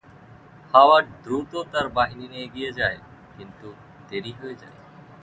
Howard দ্রুত তার বাহিনী নিয়ে এগিয়ে যায়, কিন্তু দেরি হয়ে যায়।